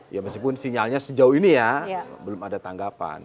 ya meskipun sinyalnya sejauh ini ya belum ada tanggapan